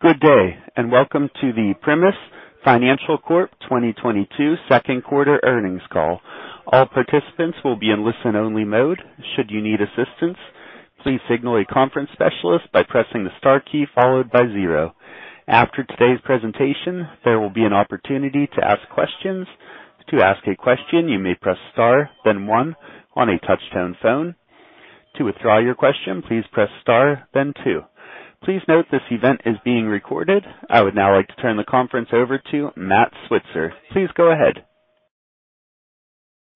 Good day, and welcome to the Primis Financial Corp. 2022 Q2 Earnings Call. All participants will be in listen-only mode. Should you need assistance, please signal a conference specialist by pressing the star key followed by zero. After today's presentation, there will be an opportunity to ask questions. To ask a question, you may press star then one on a touch-tone phone. To withdraw your question, please press star then two. Please note this event is being recorded. I would now like to turn the conference over to Matthew Switzer. Please go ahead.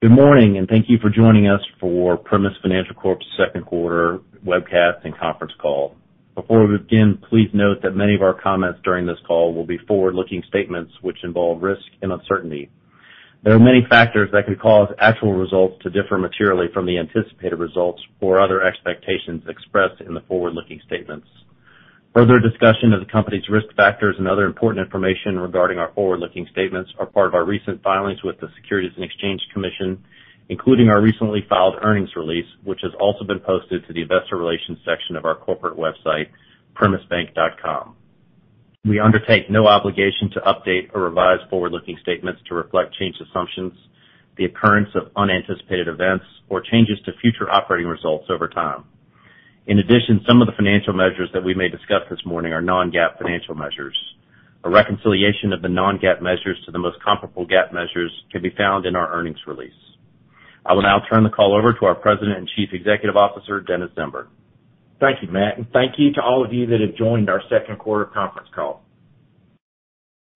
Good morning, and thank you for joining us for Primis Financial Corp.'s Q2 Webcast and Conference Call. Before we begin, please note that many of our comments during this call will be forward-looking statements which involve risk and uncertainty. There are many factors that could cause actual results to differ materially from the anticipated results or other expectations expressed in the forward-looking statements. Further discussion of the company's risk factors and other important information regarding our forward-looking statements are part of our recent filings with the Securities and Exchange Commission, including our recently filed earnings release, which has also been posted to the investor relations section of our corporate website, Primisbank.com. We undertake no obligation to update or revise forward-looking statements to reflect changed assumptions, the occurrence of unanticipated events, or changes to future operating results over time. In addition, some of the financial measures that we may discuss this morning are non-GAAP financial measures. A reconciliation of the non-GAAP measures to the most comparable GAAP measures can be found in our earnings release. I will now turn the call over to our President and Chief Executive Officer, Dennis Zember. Thank you, Matt, and thank you to all of you that have joined our Q2 conference call.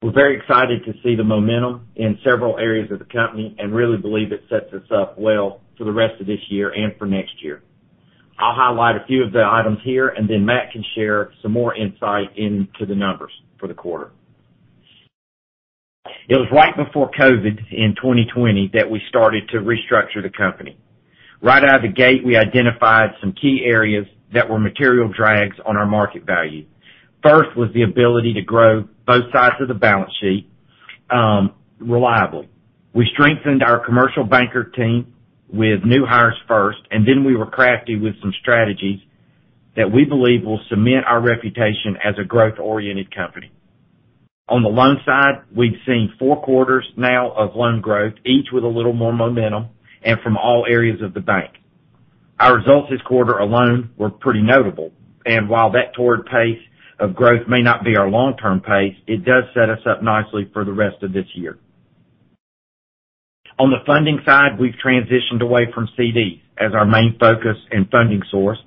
We're very excited to see the momentum in several areas of the company and really believe it sets us up well for the rest of this year and for next year. I'll highlight a few of the items here, and then Matt can share some more insight into the numbers for the quarter. It was right before COVID in 2020 that we started to restructure the company. Right out of the gate, we identified some key areas that were material drags on our market value. First was the ability to grow both sides of the balance sheet reliably. We strengthened our commercial banker team with new hires first, and then we were crafty with some strategies that we believe will cement our reputation as a growth-oriented company. On the loan side, we've seen four quarters now of loan growth, each with a little more momentum and from all areas of the bank. Our results this quarter alone were pretty notable, and while that torrid pace of growth may not be our long-term pace, it does set us up nicely for the rest of this year. On the funding side, we've transitioned away from CD as our main focus and funding source,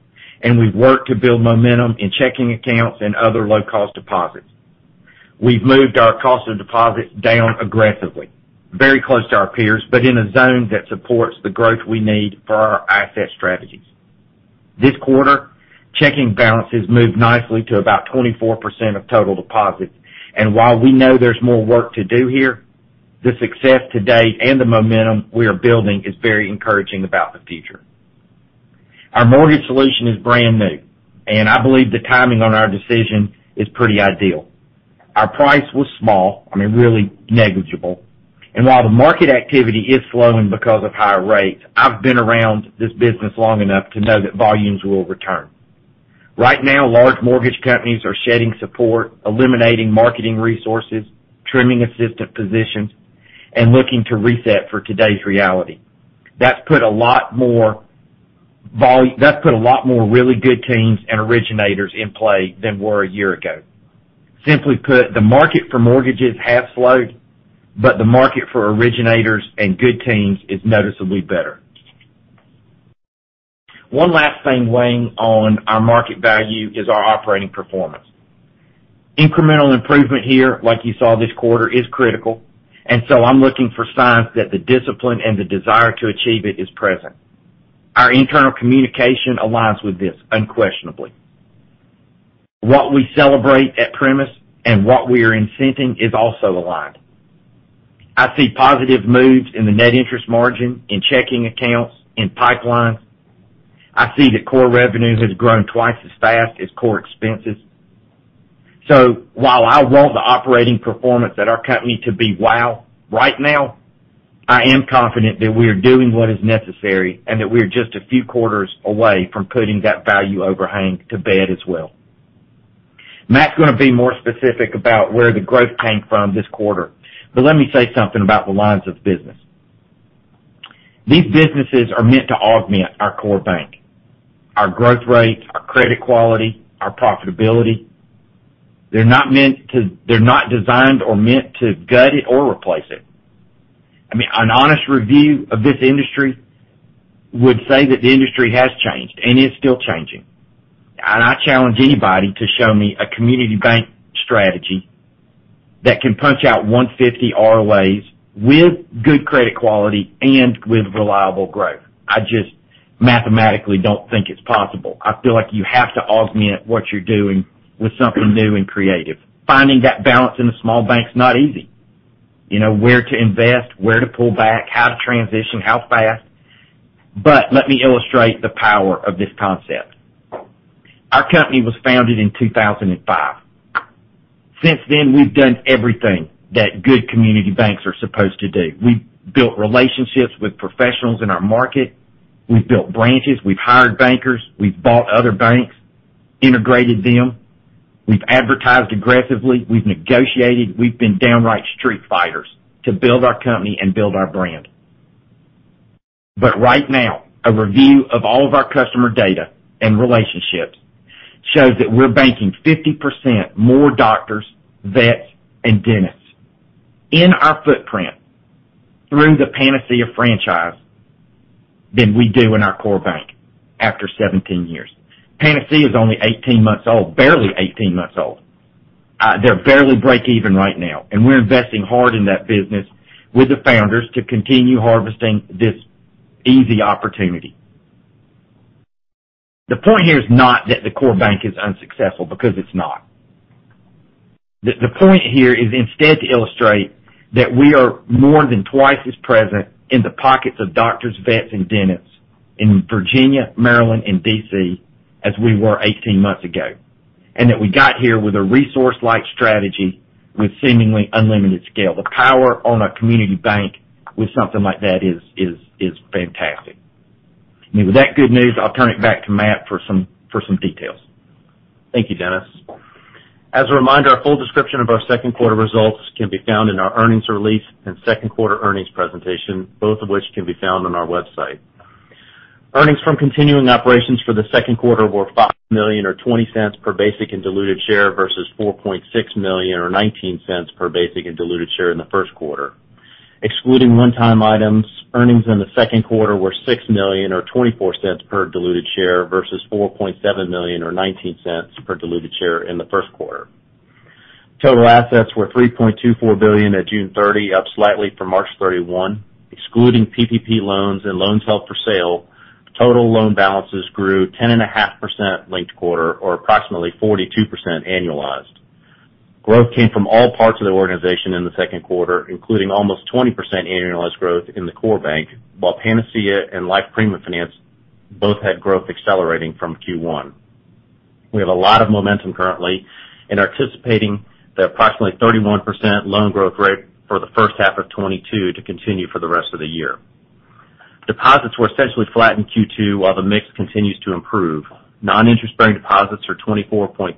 and we've worked to build momentum in checking accounts and other low-cost deposits. We've moved our cost of deposits down aggressively, very close to our peers, but in a zone that supports the growth we need for our asset strategies. This quarter, checking balances moved nicely to about 24% of total deposits. While we know there's more work to do here, the success to date and the momentum we are building is very encouraging about the future. Our mortgage solution is brand-new, and I believe the timing on our decision is pretty ideal. Our price was small, I mean, really negligible. While the market activity is slowing because of higher rates, I've been around this business long enough to know that volumes will return. Right now, large mortgage companies are shedding support, eliminating marketing resources, trimming assistant positions, and looking to reset for today's reality. That's put a lot more really good teams and originators in play than were a year ago. Simply put, the market for mortgages has slowed, but the market for originators and good teams is noticeably better. One last thing weighing on our market value is our operating performance. Incremental improvement here, like you saw this quarter, is critical, and I'm looking for signs that the discipline and the desire to achieve it is present. Our internal communication aligns with this unquestionably. What we celebrate at Primis and what we are incenting is also aligned. I see positive moves in the net interest margin, in checking accounts, in pipelines. I see that core revenue has grown twice as fast as core expenses. While I want the operating performance at our company to be wow right now, I am confident that we are doing what is necessary and that we are just a few quarters away from putting that value overhang to bed as well. Matt's gonna be more specific about where the growth came from this quarter, but let me say something about the lines of business. These businesses are meant to augment our core bank, our growth rates, our credit quality, our profitability. They're not designed or meant to gut it or replace it. I mean, an honest review of this industry would say that the industry has changed and is still changing. I challenge anybody to show me a community bank strategy that can punch out 1.50 ROAs with good credit quality and with reliable growth. I just mathematically don't think it's possible. I feel like you have to augment what you're doing with something new and creative. Finding that balance in a small bank is not easy. You know, where to invest, where to pull back, how to transition, how fast. Let me illustrate the power of this concept. Our company was founded in 2005. Since then, we've done everything that good community banks are supposed to do. We've built relationships with professionals in our market. We've built branches. We've hired bankers. We've bought other banks, integrated them. We've advertised aggressively. We've negotiated. We've been downright street fighters to build our company and build our brand. Right now, a review of all of our customer data and relationships shows that we're banking 50% more doctors, vets, and dentists in our footprint through the Panacea Financial than we do in our core bank after 17 years. Panacea Financial is only 18 months old, barely 18 months old. They're barely breaking even right now, and we're investing hard in that business with the founders to continue harvesting this easy opportunity. The point here is not that the core bank is unsuccessful because it's not. The point here is instead to illustrate that we are more than twice as present in the pockets of doctors, vets, and dentists in Virginia, Maryland, and D.C. as we were 18 months ago, and that we got here with a resource-like strategy with seemingly unlimited scale. The power of a community bank with something like that is fantastic. I mean, with that good news, I'll turn it back to Matt for some details. Thank you, Dennis. As a reminder, our full description of our Q2 results can be found in our earnings release and Q2 earnings presentation, both of which can be found on our website. Earnings from continuing operations for the Q2 were $5 million or $0.20 per basic and diluted share versus $4.6 million or $0.19 per basic and diluted share in the Q1. Excluding one-time items, earnings in the Q2 were $6 million or $0.24 per diluted share versus $4.7 million or $0.19 per diluted share in the Q1. Total assets were $3.24 billion at June 30, up slightly from March 31. Excluding PPP loans and loans held for sale, total loan balances grew 10.5% linked quarter or approximately 42% annualized. Growth came from all parts of the organization in the Q2, including almost 20% annualized growth in the core bank, while Panacea and Life Premium Finance both had growth accelerating from Q1. We have a lot of momentum currently and are anticipating the approximately 31% loan growth rate for the first half of 2022 to continue for the rest of the year. Deposits were essentially flat in Q2, while the mix continues to improve. Non-interest-bearing deposits are 24.3%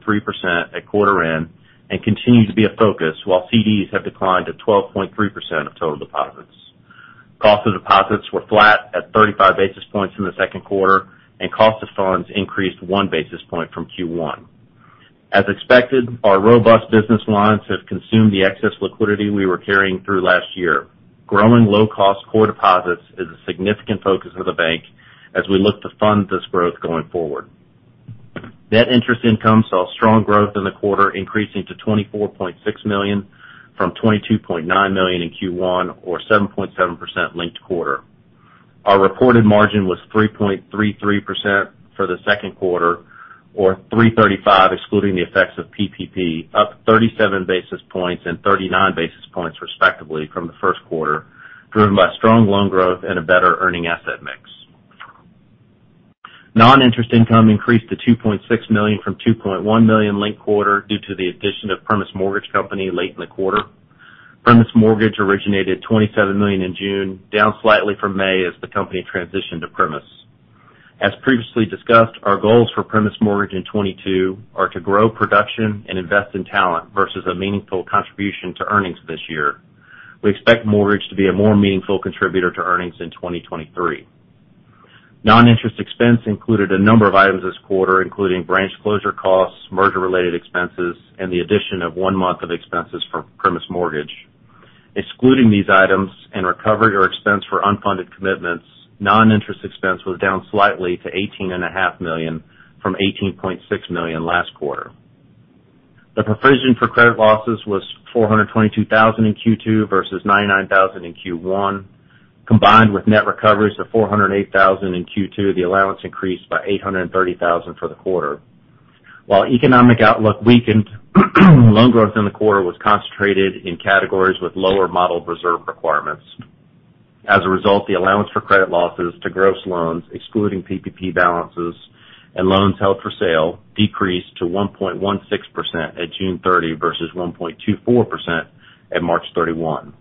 at quarter end and continue to be a focus, while CDs have declined to 12.3% of total deposits. Cost of deposits were flat at 35 basis points in the Q2, and cost of funds increased 1 basis point from Q1. As expected, our robust business lines have consumed the excess liquidity we were carrying through last year. Growing low-cost core deposits is a significant focus of the bank as we look to fund this growth going forward. Net interest income saw strong growth in the quarter, increasing to $24.6 million from $22.9 million in Q1, or 7.7% linked quarter. Our reported margin was 3.33% for the Q2, or 3.35% excluding the effects of PPP, up 37 basis points and 39 basis points respectively from the Q1, driven by strong loan growth and a better earning asset mix. Non-interest income increased to $2.6 million from $2.1 million linked quarter due to the addition of Primis Mortgage Company late in the quarter. Primis Mortgage originated $27 million in June, down slightly from May as the company transitioned to Primis. As previously discussed, our goals for Primis Mortgage in 2022 are to grow production and invest in talent versus a meaningful contribution to earnings this year. We expect mortgage to be a more meaningful contributor to earnings in 2023. Non-interest expense included a number of items this quarter, including branch closure costs, merger-related expenses, and the addition of one month of expenses for Primis Mortgage. Excluding these items and recovery or expense for unfunded commitments, non-interest expense was down slightly to $18.5 million from $18.6 million last quarter. The provision for credit losses was $422,000 in Q2 versus $909,000 in Q1. Combined with net recoveries of $408,000 in Q2, the allowance increased by $830,000 for the quarter. While economic outlook weakened, loan growth in the quarter was concentrated in categories with lower modeled reserve requirements. As a result, the allowance for credit losses to gross loans, excluding PPP balances and loans held for sale, decreased to 1.16% at June 30 versus 1.24% at March 31.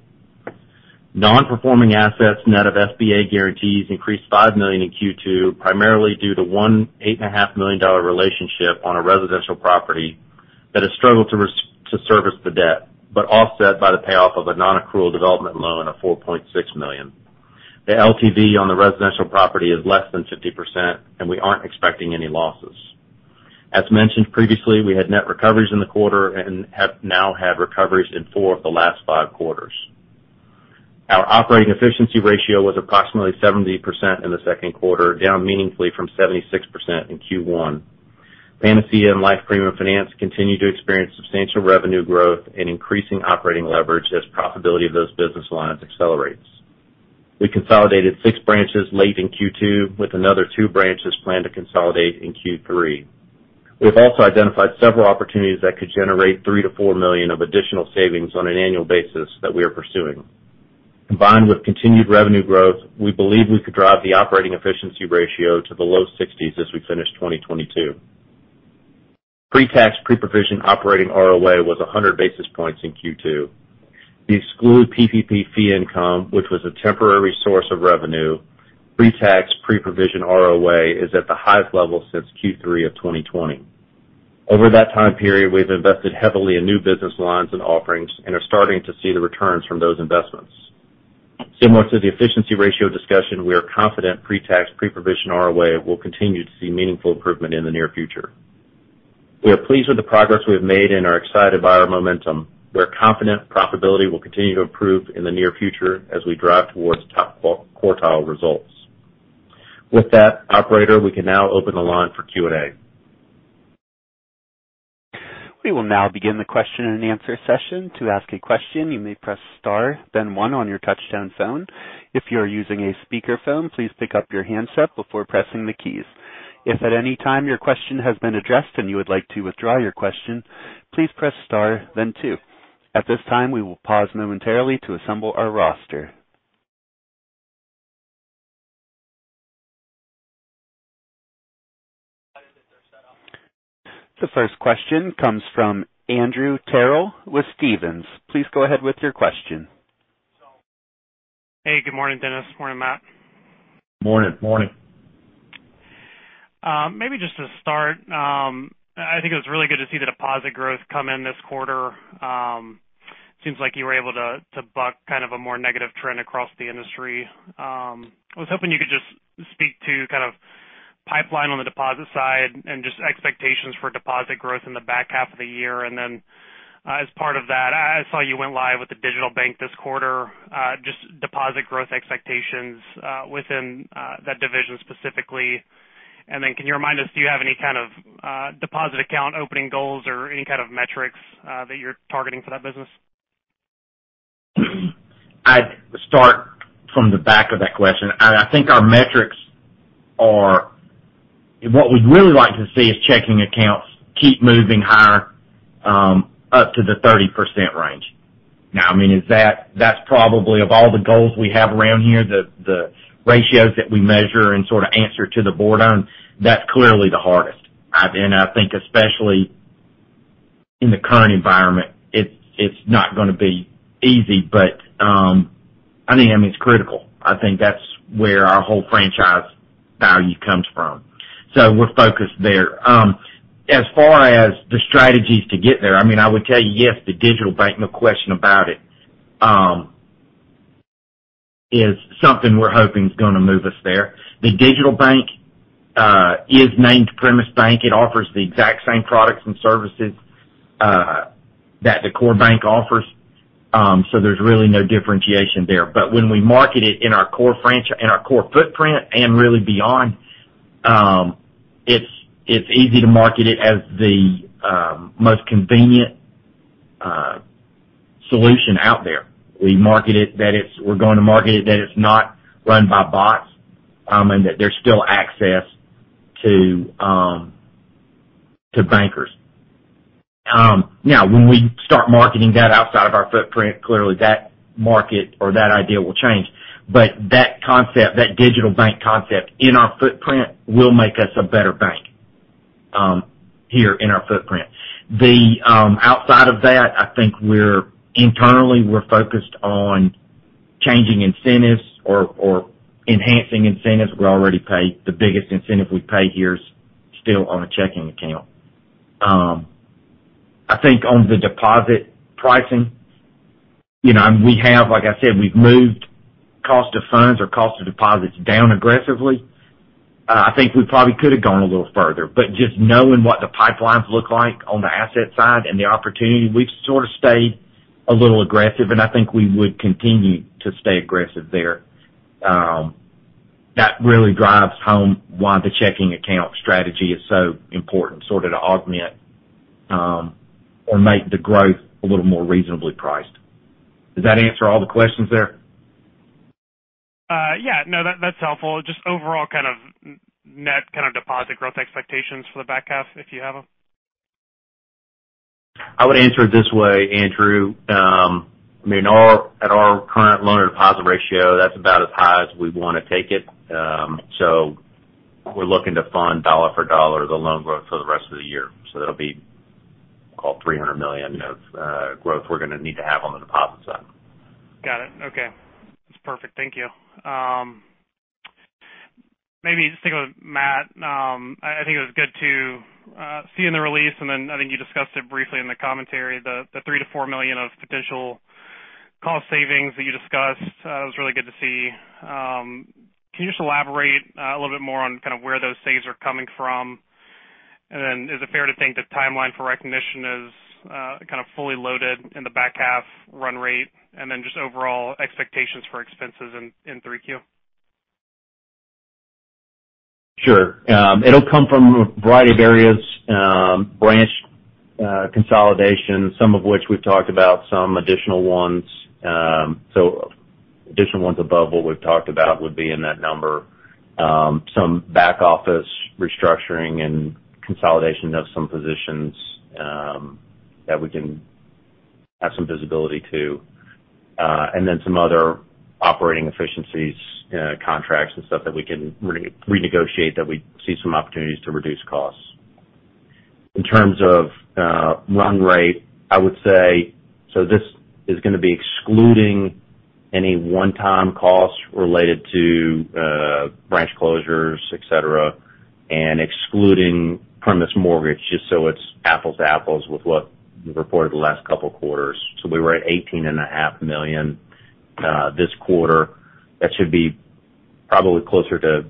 Non-performing assets net of SBA guarantees increased $5 million in Q2, primarily due to an $8.5 million relationship on a residential property that has struggled to service the debt, but offset by the payoff of a non-accrual development loan of $4.6 million. The LTV on the residential property is less than 50%, and we aren't expecting any losses. As mentioned previously, we had net recoveries in the quarter and have now had recoveries in four of the last five quarters. Our operating efficiency ratio was approximately 70% in the Q2, down meaningfully from 76% in Q1. Panacea and Life Premium Finance continue to experience substantial revenue growth and increasing operating leverage as profitability of those business lines accelerates. We consolidated 6 branches late in Q2, with another 2 branches planned to consolidate in Q3. We've also identified several opportunities that could generate $3 million-$4 million of additional savings on an annual basis that we are pursuing. Combined with continued revenue growth, we believe we could drive the operating efficiency ratio to the low sixties as we finish 2022. Pre-tax, pre-provision operating ROA was 100 basis points in Q2. Excluding PPP fee income, which was a temporary source of revenue, pre-tax, pre-provision ROA is at the highest level since Q3 of 2020. Over that time period, we've invested heavily in new business lines and offerings and are starting to see the returns from those investments. Similar to the efficiency ratio discussion, we are confident pre-tax, pre-provision ROA will continue to see meaningful improvement in the near future. We are pleased with the progress we have made and are excited by our momentum. We're confident profitability will continue to improve in the near future as we drive towards top quartile results. With that, operator, we can now open the line for Q&A. We will now begin the question and answer session. To ask a question, you may press Star, then one on your touch-tone phone. If you are using a speakerphone, please pick up your handset before pressing the keys. If at any time your question has been addressed and you would like to withdraw your question, please press Star then two. At this time, we will pause momentarily to assemble our roster. The first question comes from Andrew Terrell with Stephens. Please go ahead with your question. Hey, good morning, Dennis. Morning, Matt. Morning. Morning. Maybe just to start, I think it was really good to see the deposit growth come in this quarter. Seems like you were able to buck kind of a more negative trend across the industry. I was hoping you could just speak to kind of pipeline on the deposit side and just expectations for deposit growth in the back half of the year. As part of that, I saw you went live with the digital bank this quarter, just deposit growth expectations within that division specifically. Can you remind us, do you have any kind of deposit account opening goals or any kind of metrics that you're targeting for that business? I'd start from the back of that question. I think our metrics are what we'd really like to see is checking accounts keep moving higher, up to the 30% range. Now, I mean, is that that's probably of all the goals we have around here, the ratios that we measure and sort of answer to the board on, that's clearly the hardest. And I think especially in the current environment, it's not gonna be easy. I mean, it's critical. I think that's where our whole franchise value comes from. We're focused there. As far as the strategies to get there, I mean, I would tell you, yes, the digital bank, no question about it, is something we're hoping is gonna move us there. The digital bank is named Primis Bank. It offers the exact same products and services that the core bank offers. There's really no differentiation there. When we market it in our core footprint and really beyond, it's easy to market it as the most convenient solution out there. We're going to market it that it's not run by bots and that there's still access to bankers. Now when we start marketing that outside of our footprint, clearly that market or that idea will change. That concept, that digital bank concept in our footprint will make us a better bank here in our footprint. Outside of that, I think we're internally focused on changing incentives or enhancing incentives. We already pay the biggest incentive we pay here is still on a checking account. I think on the deposit pricing, you know, and we have, like I said, we've moved cost of funds or cost of deposits down aggressively. I think we probably could have gone a little further, but just knowing what the pipelines look like on the asset side and the opportunity, we've sort of stayed a little aggressive, and I think we would continue to stay aggressive there. That really drives home why the checking account strategy is so important sort of to augment, or make the growth a little more reasonably priced. Does that answer all the questions there? Yeah. No, that's helpful. Just overall kind of net kind of deposit growth expectations for the back half, if you have them. I would answer it this way, Andrew. I mean, at our current loan-to-deposit ratio, that's about as high as we wanna take it. We're looking to fund dollar for dollar the loan growth for the rest of the year. That'll be, call it $300 million of growth we're gonna need to have on the deposit side. Got it. Okay. That's perfect. Thank you. Maybe just sticking with Matt. I think it was good to see in the release, and then I think you discussed it briefly in the commentary, the $3 million-$4 million of potential cost savings that you discussed. It was really good to see. Can you just elaborate a little bit more on kind of where those saves are coming from? And then is it fair to think the timeline for recognition is kind of fully loaded in the back half run rate? And then just overall expectations for expenses in 3Q. Sure. It'll come from a variety of areas, branch consolidation, some of which we've talked about, some additional ones. Additional ones above what we've talked about would be in that number. Some back office restructuring and consolidation of some positions. That we can have some visibility to, and then some other operating efficiencies, you know, contracts and stuff that we can re-negotiate, that we see some opportunities to reduce costs. In terms of, run rate, I would say so this is gonna be excluding any one-time costs related to, branch closures, et cetera, and excluding Primis Mortgage, just so it's apples to apples with what we've reported the last couple quarters. We were at $18.5 million, this quarter. That should be probably closer to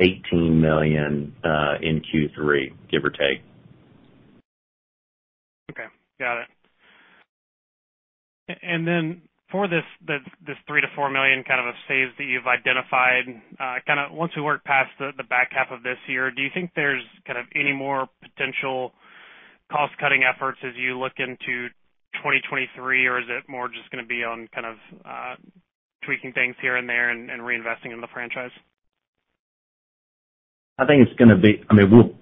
$18 million, in Q3, give or take. Okay. Got it. For this $3 million-$4 million kind of a savings that you've identified, kinda once we work past the back half of this year, do you think there's kind of any more potential cost-cutting efforts as you look into 2023? Is it more just gonna be on kind of tweaking things here and there and reinvesting in the franchise? I think it's gonna be. I mean,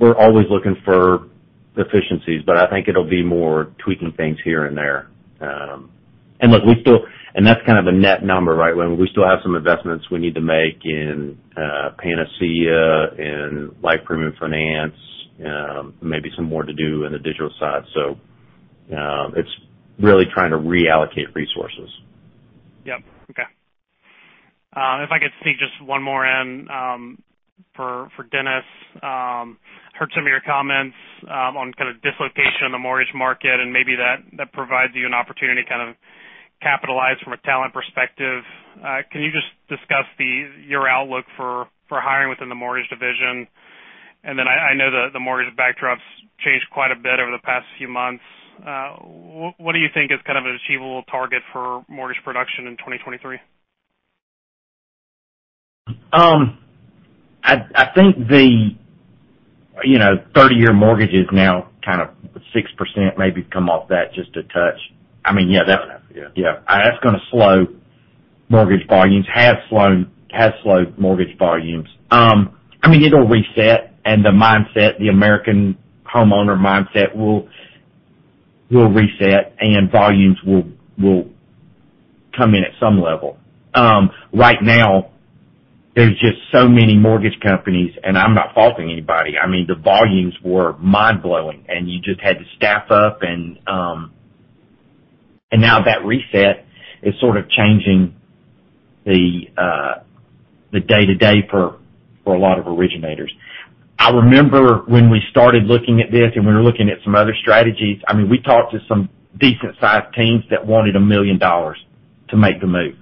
we're always looking for efficiencies, but I think it'll be more tweaking things here and there. That's kind of a net number, right? When we still have some investments we need to make in Panacea and Life Premium Finance, maybe some more to do in the digital side. It's really trying to reallocate resources. Yep. Okay. If I could sneak just one more in, for Dennis. Heard some of your comments on kind of dislocation in the mortgage market, and maybe that provides you an opportunity to kind of capitalize from a talent perspective. Can you just discuss your outlook for hiring within the mortgage division? And then I know the mortgage backdrop's changed quite a bit over the past few months. What do you think is kind of an achievable target for mortgage production in 2023? I think, you know, the 30-year mortgage is now kind of 6%, maybe come off that just a touch. I mean, yeah, that. Yeah. Yeah. That's gonna slow mortgage volumes. Has slowed mortgage volumes. I mean, it'll reset and the mindset, the American homeowner mindset will reset and volumes will come in at some level. Right now, there's just so many mortgage companies, and I'm not faulting anybody. I mean, the volumes were mind-blowing, and you just had to staff up and now that reset is sort of changing the day-to-day for a lot of originators. I remember when we started looking at this and we were looking at some other strategies. I mean, we talked to some decent sized teams that wanted $1 million to make the move.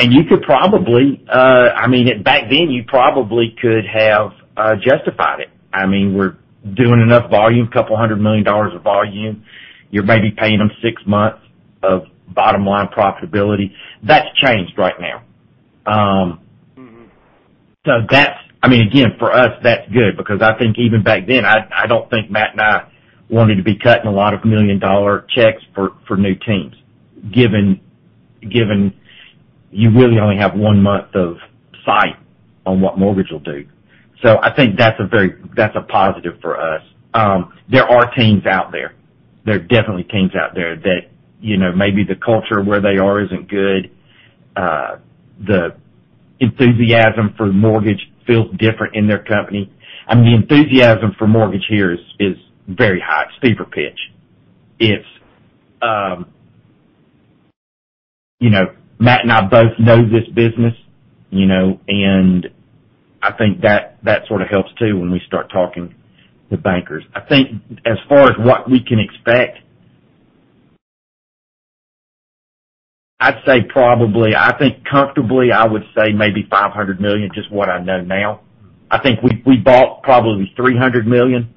You could probably, I mean, back then, you probably could have justified it. I mean, we're doing enough volume, $200 million of volume. You're maybe paying them six months of bottom-line profitability. That's changed right now. Mm-hmm. I mean, again, for us, that's good because I think even back then, I don't think Matt and I wanted to be cutting a lot of million-dollar checks for new teams, given you really only have one month of sight on what mortgage will do. I think that's a positive for us. There are teams out there. There are definitely teams out there that, you know, maybe the culture where they are isn't good. The enthusiasm for the mortgage feels different in their company. I mean, the enthusiasm for mortgage here is very high. It's fever pitch. It's, you know, Matt and I both know this business, you know, and I think that sort of helps too when we start talking to bankers. I think as far as what we can expect, I'd say probably, I think comfortably, I would say maybe $500 million, just what I know now. I think we bought probably $300 million.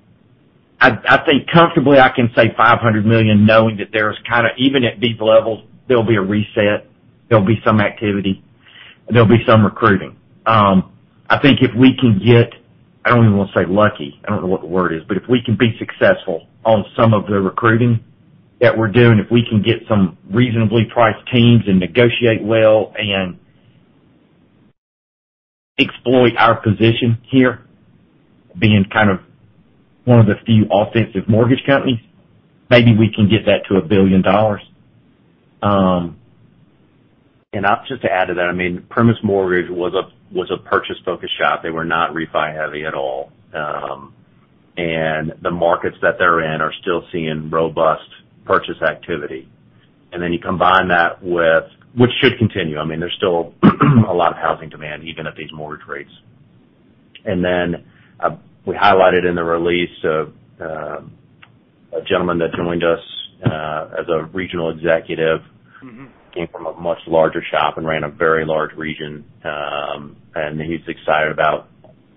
I think comfortably I can say $500 million, knowing that there's kinda even at these levels, there'll be a reset, there'll be some activity, there'll be some recruiting. I think if we can get, I don't even wanna say lucky, I don't know what the word is, but if we can be successful on some of the recruiting that we're doing, if we can get some reasonably priced teams and negotiate well and exploit our position here, being kind of one of the few offensive mortgage companies, maybe we can get that to $1 billion. Just to add to that, I mean, Primis Mortgage was a purchase-focused shop. They were not refi heavy at all. The markets that they're in are still seeing robust purchase activity. Then you combine that with what should continue. I mean, there's still a lot of housing demand even at these mortgage rates. We highlighted in the release of a gentleman that joined us as a regional executive. Mm-hmm. Came from a much larger shop and ran a very large region. He's excited about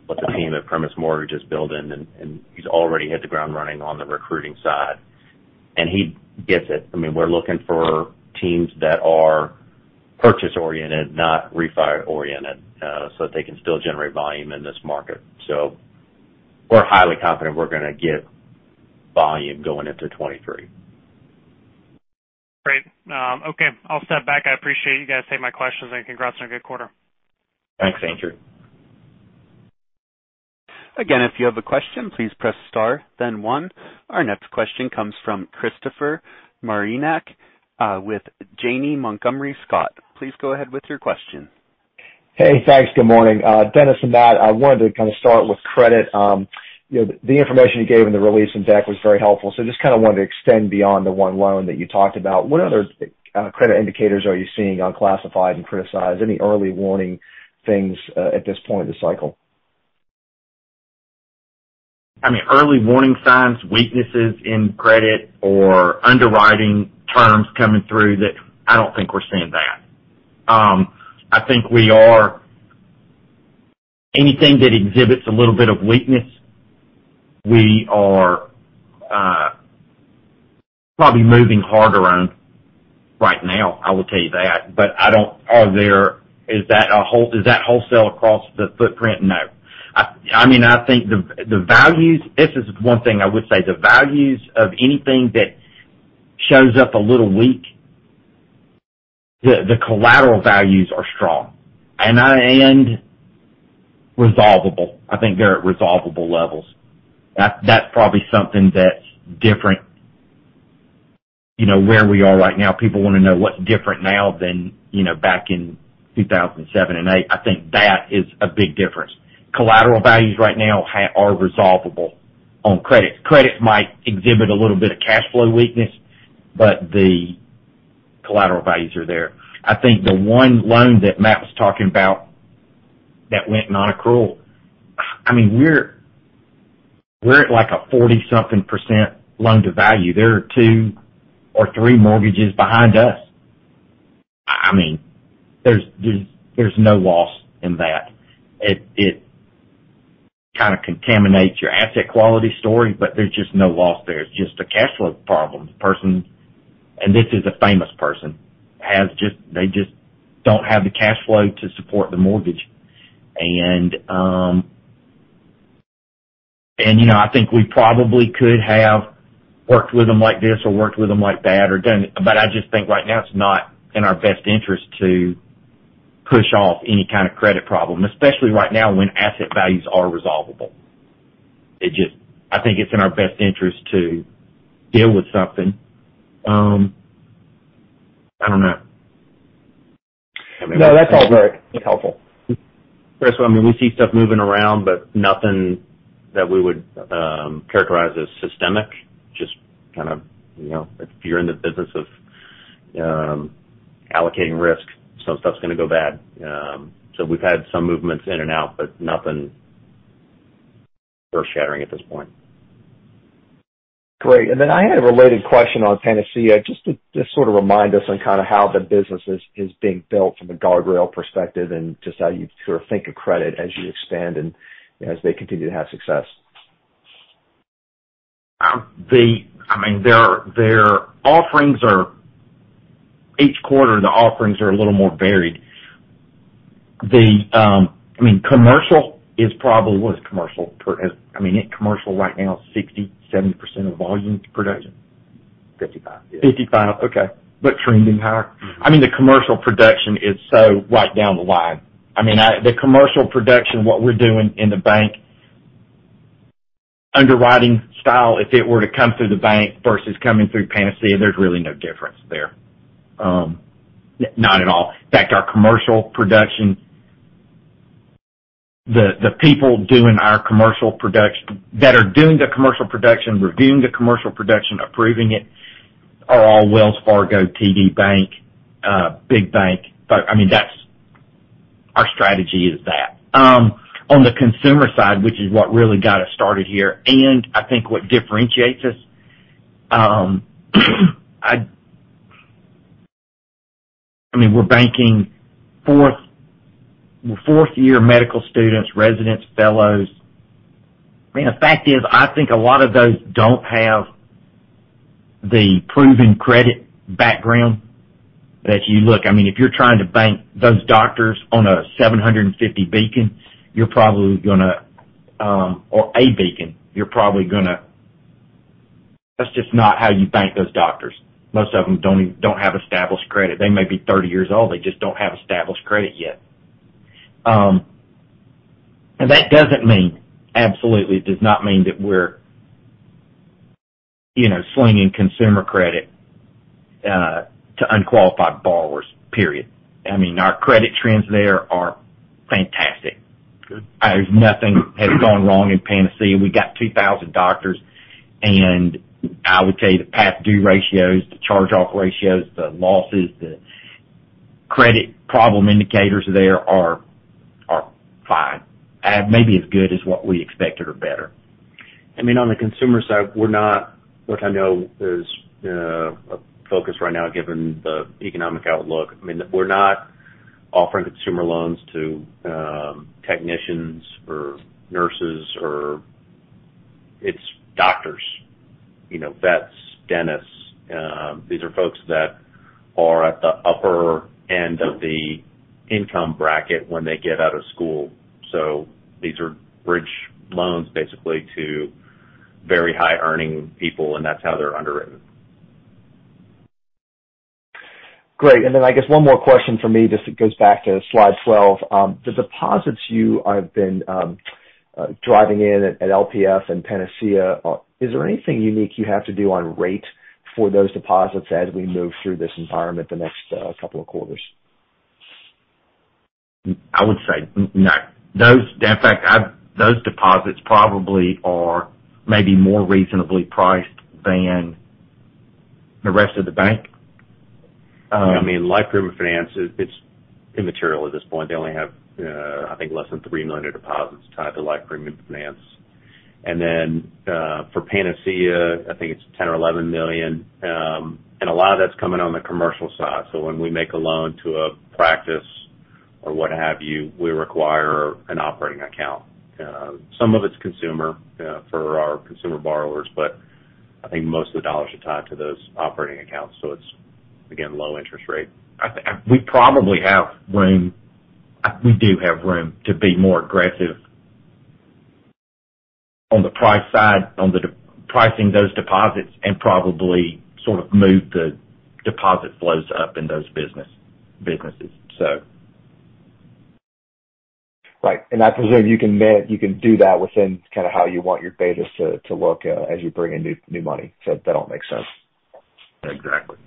what the team at Primis Mortgage is building, and he's already hit the ground running on the recruiting side. He gets it. I mean, we're looking for teams that are purchase oriented, not refi oriented, so they can still generate volume in this market. We're highly confident we're gonna get volume going into 2023. Great. Okay, I'll step back. I appreciate you guys taking my questions, and congrats on a good quarter. Thanks, Andrew. Again, if you have a question, please press Star, then one. Our next question comes from Christopher Marinac with Janney Montgomery Scott. Please go ahead with your question. Hey, thanks. Good morning. Dennis Zember and Matt Switzer, I wanted to kind of start with credit. You know, the information you gave in the release and deck was very helpful, so just kind of wanted to extend beyond the one loan that you talked about. What other credit indicators are you seeing unclassified and criticized? Any early warning things at this point in the cycle? I mean, early warning signs, weaknesses in credit or underwriting terms coming through that, I don't think we're seeing that. I think anything that exhibits a little bit of weakness, we are probably moving harder on right now, I will tell you that. Is that wholesale across the footprint? No. I mean, I think the values, this is one thing I would say, the values of anything that shows up a little weak, the collateral values are strong, and resolvable. I think they're at resolvable levels. That's probably something that's different, you know, where we are right now. People wanna know what's different now than, you know, back in 2007 and 2008. I think that is a big difference. Collateral values right now are resolvable on credit. Credit might exhibit a little bit of cash flow weakness, but the collateral values are there. I think the one loan that Matt was talking about that went nonaccrual. I mean, we're at, like, a 40-something% loan to value. There are two or three mortgages behind us. I mean, there's no loss in that. It kinda contaminates your asset quality story, but there's just no loss there. It's just a cash flow problem. The person, and this is a famous person, they just don't have the cash flow to support the mortgage. You know, I think we probably could have worked with them like this or worked with them like that or done. I just think right now it's not in our best interest to push off any kind of credit problem, especially right now when asset values are resolvable. It just I think it's in our best interest to deal with something. I don't know. No, that's all very helpful. Chris, I mean, we see stuff moving around, but nothing that we would characterize as systemic. Just kind of, you know, if you're in the business of allocating risk, some stuff's gonna go bad. We've had some movements in and out, but nothing earth-shattering at this point. Great. I had a related question on Panacea, just to, just sort of remind us on kinda how the business is being built from a guardrail perspective and just how you sort of think of credit as you expand and as they continue to have success? I mean, their offerings are, each quarter, the offerings are a little more varied. I mean, commercial is probably, what is commercial? I mean, commercial right now is 60%-70% of volume production. 55. 55, okay. Trending higher. I mean, the commercial production is so right down the line. I mean, the commercial production, what we're doing in the bank, underwriting style, if it were to come through the bank versus coming through Panacea, there's really no difference there. Not at all. In fact, our commercial production, the people doing our commercial production that are doing the commercial production, reviewing the commercial production, approving it, are all Wells Fargo, TD Bank, big bank. I mean, that's our strategy. On the consumer side, which is what really got us started here, and I think what differentiates us, I mean, we're banking fourth-year medical students, residents, fellows. I mean, the fact is, I think a lot of those don't have the proven credit background that you look. I mean, if you're trying to bank those doctors on a 750 Beacon or a Beacon, you're probably gonna. That's just not how you bank those doctors. Most of them don't have established credit. They may be 30 years old, they just don't have established credit yet. That doesn't mean, absolutely does not mean that we're, you know, slinging consumer credit to unqualified borrowers, period. I mean, our credit trends there are fantastic. Good. There's nothing has gone wrong in Panacea. We got 2,000 doctors, and I would tell you the past due ratios, the charge-off ratios, the losses, the credit problem indicators there are fine. Maybe as good as what we expected or better. I mean, on the consumer side, we're not, which I know is a focus right now given the economic outlook. I mean, we're not offering consumer loans to technicians or nurses. It's doctors, you know, vets, dentists. These are folks that Are at the upper end of the income bracket when they get out of school. These are bridge loans basically to very high earning people, and that's how they're underwritten. Great. I guess one more question for me. This goes back to slide 12. The deposits you have been driving in at LPF and Panacea, is there anything unique you have to do on rate for those deposits as we move through this environment the next couple of quarters? I would say no. Those, in fact, deposits probably are maybe more reasonably priced than the rest of the bank. I mean, Life Premium Finance is, it's immaterial at this point. They only have, I think less than $3 million deposits tied to Life Premium Finance. For Panacea, I think it's $10 million or $11 million. A lot of that's coming on the commercial side. When we make a loan to a practice or what have you, we require an operating account. Some of it's consumer, for our consumer borrowers, but I think most of the dollars are tied to those operating accounts. It's, again, low interest rate. We probably have room. We do have room to be more aggressive on the price side, on the pricing those deposits, and probably sort of move the deposit flows up in those businesses. So. Right. I presume you can do that within kinda how you want your betas to look, as you bring in new money. That all makes sense. Exactly.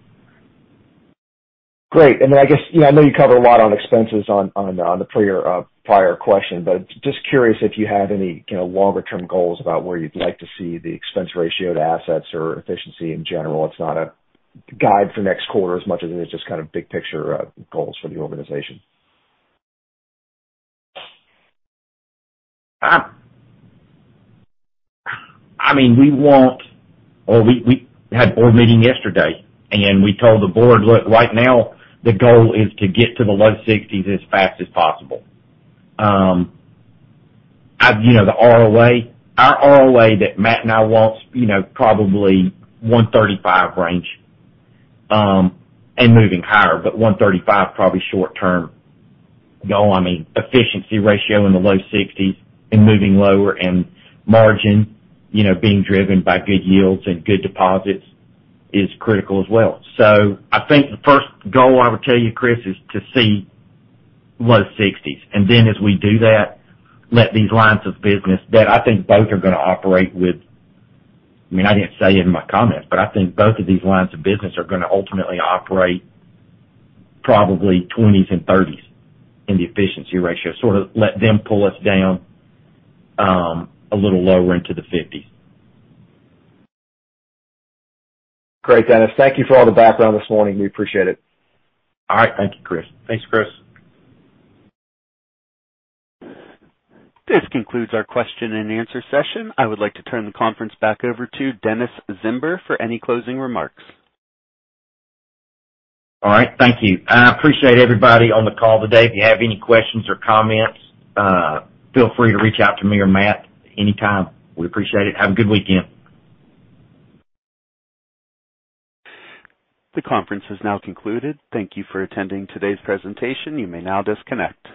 Great. I guess, yeah, I know you cover a lot on expenses on the prior question, but just curious if you had any, you know, longer-term goals about where you'd like to see the expense ratio to assets or efficiency in general. It's not a guide for next quarter as much as it is just kind of big picture goals for the organization. I mean, we had a board meeting yesterday, and we told the board, look, right now, the goal is to get to the low 60s% as fast as possible. You know, the ROA, our ROA that Matt and I want, you know, probably 1.35% range, and moving higher, but 1.35% probably short term goal. I mean, efficiency ratio in the low 60s% and moving lower and margin, you know, being driven by good yields and good deposits is critical as well. I think the first goal I would tell you, Chris, is to see low 60s%. Then as we do that, let these lines of business that I think both are gonna operate with. I mean, I didn't say it in my comments, but I think both of these lines of business are gonna ultimately operate probably 20s and 30s in the efficiency ratio, sort of let them pull us down a little lower into the 50s. Great, Dennis. Thank you for all the background this morning. We appreciate it. All right. Thank you, Chris. Thanks, Chris. This concludes our question and answer session. I would like to turn the conference back over to Dennis Zember for any closing remarks. All right. Thank you. I appreciate everybody on the call today. If you have any questions or comments, feel free to reach out to me or Matt anytime. We appreciate it. Have a good weekend. The conference is now concluded. Thank you for attending today's presentation. You may now disconnect.